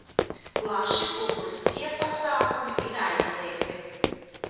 Plaši publiskie pasākumi ir aizliegti.